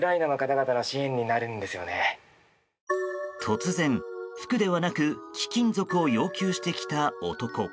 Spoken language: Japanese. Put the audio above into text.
突然、服ではなく貴金属を要求してきた男。